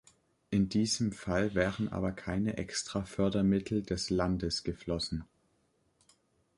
In diesem Fall wären aber keine Extra-Fördermittel des Landes geflossen.